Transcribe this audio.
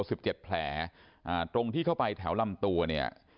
สิบเจ็ดแผลอ่าตรงที่เข้าไปแถวลำตัวเนี่ย